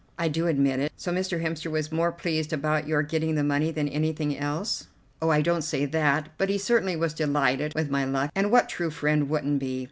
"I do admit it. So Mr. Hemster was more pleased about your getting the money than anything else?" "Oh, I don't say that, but he certainly was delighted with my luck, and what true friend wouldn't be?